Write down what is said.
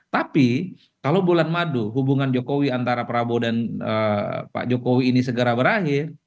tapi kalau bulan madu hubungan jokowi antara prabowo dan pak jokowi ini segera berakhir